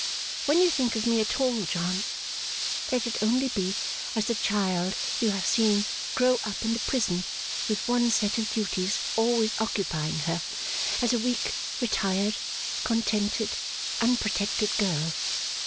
When you think of me at all, John, let it only be as the child you have seen grow up in the prison with one set of duties always occupying her; as a weak, retired, contented, unprotected girl.